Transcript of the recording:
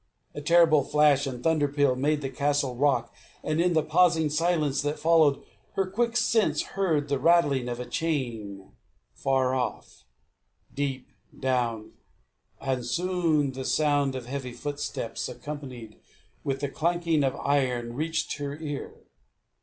A terrible flash and thunder peal made the castle rock; and in the pausing silence that followed, her quick sense heard the rattling of a chain far off, deep down; and soon the sound of heavy footsteps, accompanied with the clanking of iron, reached her ear.